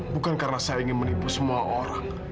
bukan karena saya ingin menipu semua orang